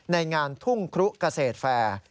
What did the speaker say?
ในงานทุ่งครุเกษตรแฟร์